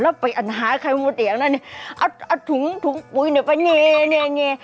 เราไปหาไข่มดแดงนั่นเอาถุงปุ๊ยไปเงย